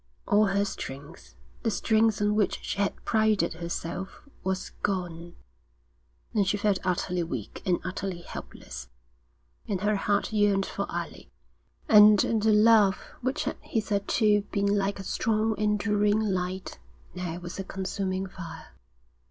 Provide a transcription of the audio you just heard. All her strength, the strength on which she had prided herself, was gone; and she felt utterly weak and utterly helpless. And her heart yearned for Alec, and the love which had hitherto been like a strong enduring light, now was a consuming fire.